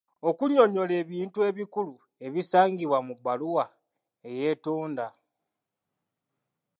Okuunyonnyola ebintu ebikulu ebisangibwa mu bbaluwa eyeetonda.